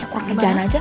kurang kejalan aja